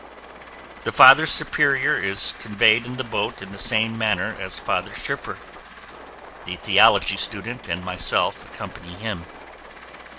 The Father Superior is conveyed in the boat in the same manner as Father Schiffer. The theology student and myself accompany him.